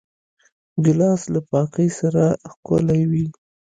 ګیلاس له پاکۍ سره ښکلی وي.